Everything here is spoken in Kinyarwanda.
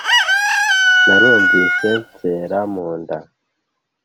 Narumvise nsera mu nda